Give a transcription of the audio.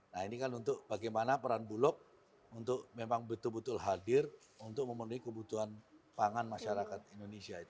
nah ini kan untuk bagaimana peran bulog untuk memang betul betul hadir untuk memenuhi kebutuhan pangan masyarakat indonesia